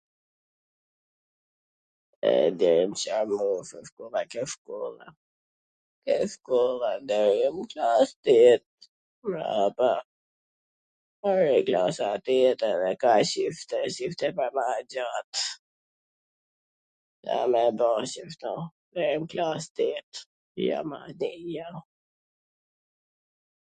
E deri m Ca moshe shkoka kjo shkolla, kjo shkolla deri n klas tet, mbrapa, mbaroi klasa tet edhe kaq ishte, s ishte pwr ma gjat... Ca me bo si kshtu, der m klas tet, jo mandej jo,